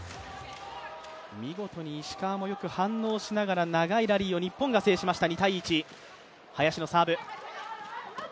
見事に石川もよく反応しながら長いラリーを日本が制しました。